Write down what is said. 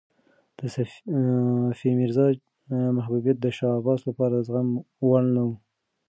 د صفي میرزا محبوبیت د شاه عباس لپاره د زغم وړ نه و.